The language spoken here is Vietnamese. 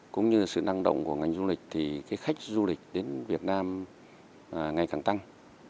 cũng như sự năng động của ngành du lịch thì khách du lịch đến việt nam ngày càng tăng